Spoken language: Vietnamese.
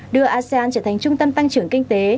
đưa asean trở thành trung tâm tăng trưởng kinh tế